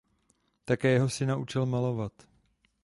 Také jeho syna učil malovat.